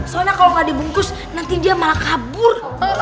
soalnya kalo gak dibungkus nanti dia malah kabur